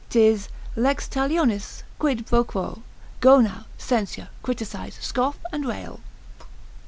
'tis lex talionis, quid pro quo. Go now, censure, criticise, scoff, and rail.